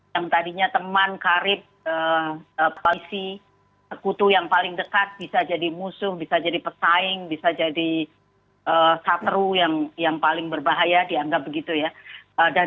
yang tadinya teman karib polisi sekutu yang paling dekat bisa jadi musuh bisa jadi pesaing bisa jadi sateru yang paling berbahaya dianggap begitu ya